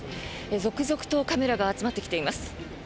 続々とカメラが集まってきています。